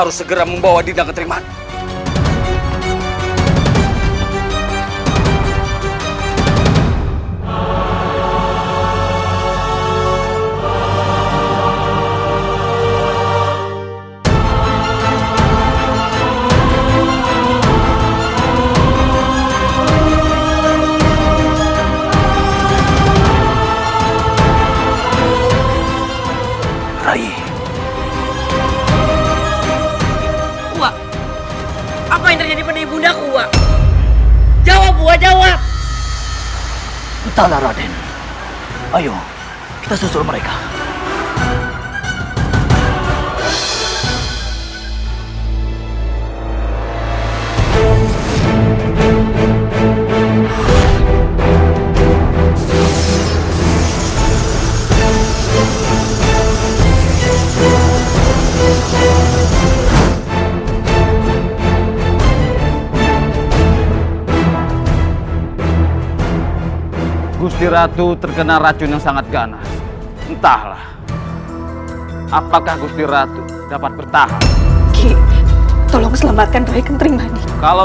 sampai jumpa di video selanjutnya